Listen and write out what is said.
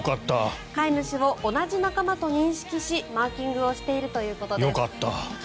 飼い主を同じ仲間と認識しマーキングしているということです。